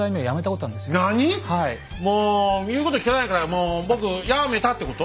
「もう言うこと聞かないからもう僕やめた！」ってこと？